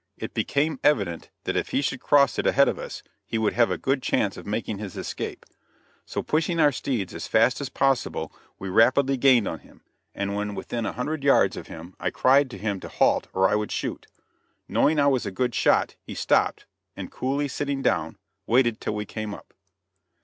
It became evident that if he should cross it ahead of us, he would have a good chance of making his escape. So pushing our steeds as fast as possible, we rapidly gained on him, and when within a hundred yards of him I cried to him to halt or I would shoot. Knowing I was a good shot, he stopped, and, coolly sitting down, waited till we came up.